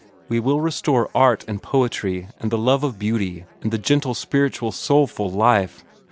We will restore art and poetry and the love of beauty, and the gentle, spiritual, soulful life.